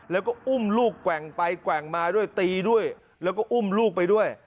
แล้วก็อุ้มลูกแกว่งไปแกว่งมาด้วยตีด้วยแล้วก็อุ้มลูกไปด้วย